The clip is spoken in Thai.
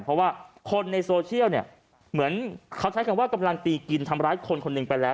เพราะว่าคนในโซเชียลเนี่ยเหมือนเขาใช้คำว่ากำลังตีกินทำร้ายคนคนหนึ่งไปแล้ว